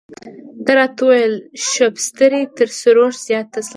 ده راته وویل شبستري تر سروش زیات تسلط لري.